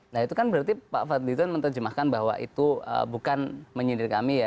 nah itu kan berarti pak fadlizon menerjemahkan bahwa itu bukan menyindir kami ya